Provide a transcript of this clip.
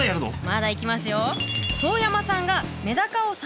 まだいきますよ。